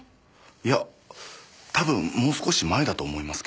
いやたぶんもう少し前だと思いますけど。